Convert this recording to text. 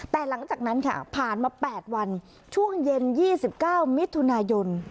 แต่หลังจากนั้นค่ะผ่านมา๘วันช่วงเย็น๒๙มิถุนายน